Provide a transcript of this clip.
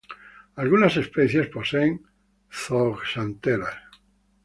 Algunas especies poseen zooxantelas.